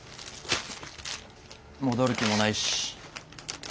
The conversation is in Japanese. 戻る気もないし。